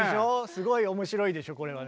すごい面白いでしょこれはね。